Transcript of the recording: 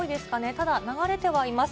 ただ流れてはいます。